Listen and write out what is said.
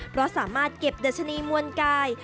เพราะสามารถเก็บดัชนีมวลกาย